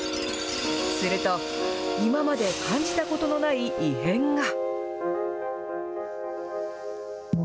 すると、今まで感じたことのない異変が。